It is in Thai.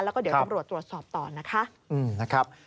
แล้วก็เดี๋ยวตำรวจตรวจสอบต่อนะคะ